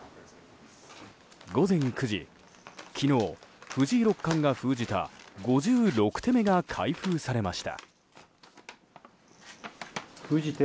午前９時昨日、藤井六冠が封じた５６手目が開封されました。